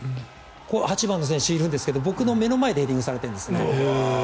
８番の選手いるんですが僕の目の前でヘディングされてるんですね。